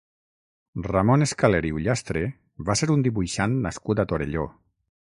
Ramon Escaler i Ullastre va ser un dibuixant nascut a Torelló.